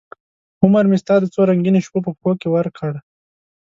عمرمې ستا د څورنګینوشپو په پښوکې ورک کړ